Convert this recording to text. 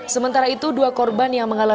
sementara itu dua korban yang mengalami